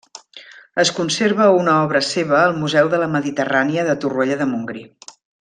Es conserva una obra seva al Museu de la Mediterrània de Torroella de Montgrí.